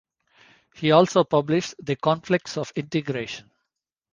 He also published "The Conflicts of Integration".